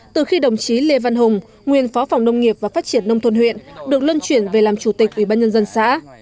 từ khi đồng chí lê văn hùng nguyên phó phòng nông nghiệp và phát triển nông thôn huyện được lân chuyển về làm chủ tịch ủy ban nhân dân xã